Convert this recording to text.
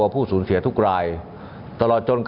ไปเยี่ยมผู้แทนพระองค์